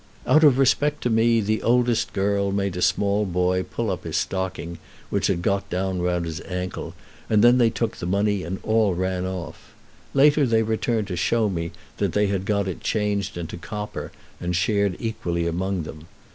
Out of respect to me the oldest girl made a small boy pull up his stocking, which had got down round his ankle, and then they took the money and all ran off. Later they returned to show me that they had got it changed into copper and shared equally among them.